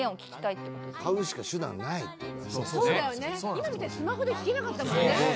今みたいにスマホで聴けなかったもんね。